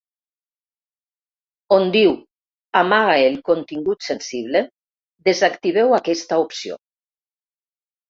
On diu ‘Amaga el contingut sensible’, desactiveu aquesta opció.